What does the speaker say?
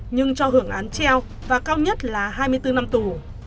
nhưng cho hưởng án treo và cao nhất là hai mươi bốn năm tù